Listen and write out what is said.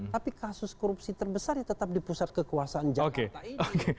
tapi kasus korupsi terbesar tetap di pusat kekuasaan jakarta ini